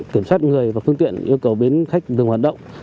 kiểm soát người và phương tiện yêu cầu bến khách ngừng hoạt động